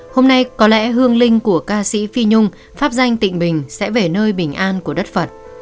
hôm nay có lẽ hương linh của ca sĩ phi nhung pháp danh tịnh bình sẽ về nơi bình an của đất phật